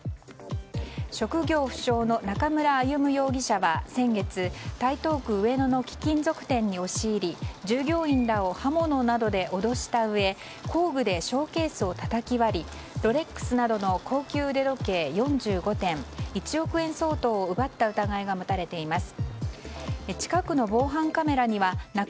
職業不詳の中村歩武容疑者は先月台東区上野の貴金属店に押し入り従業員らを刃物などで脅したうえ工具でショーケースをたたき割りロレックスなどの高級腕時計４５点１億円相当を奪った疑いが持たれています。